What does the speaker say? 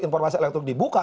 informasi elektronik dibuka